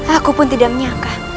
aku pun tidak menyangka